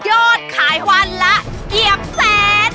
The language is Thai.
โยชน์ขายวันละเกียบแสน